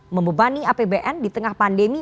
membebani apbn di tengah pandemi